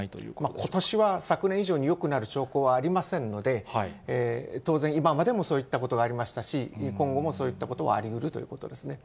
ことしは昨年以上によくなる兆候はありませんので、当然、今までもそういったことはありましたし、今後もそういったことはありうるということですね。